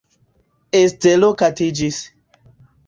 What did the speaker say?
Estero katiĝis.